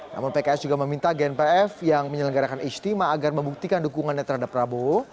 namun pks juga meminta gnpf yang menyelenggarakan istimewa agar membuktikan dukungannya terhadap prabowo